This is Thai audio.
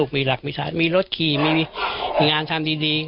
มีรถขี่มีงานทำดี